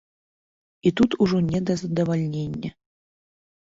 І тут ужо не да задавальнення.